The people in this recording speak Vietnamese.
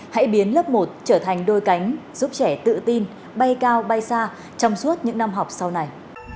hãy biến lớp một trở thành đôi cánh giúp trẻ tự tin bay cao bay xa trong suốt những năm học sau này